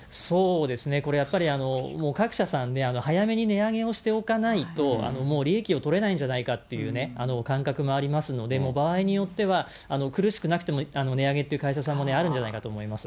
そうですね、これやっぱり、もう各社さんね、早めに値上げをしておかないと、もう利益をとれないんじゃないかっていう感覚もありますので、場合によっては苦しくなくても値上げっていう会社さんもあるんじそうか。